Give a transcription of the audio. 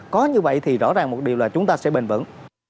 có như vậy thì rõ ràng một điều là chúng ta sẽ bền vững